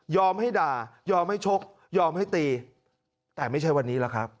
ให้ด่ายอมให้ชกยอมให้ตีแต่ไม่ใช่วันนี้หรอกครับ